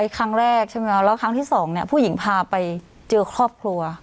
ครั้งแรกใช่ไหมคะแล้วครั้งที่สองเนี่ยผู้หญิงพาไปเจอครอบครัว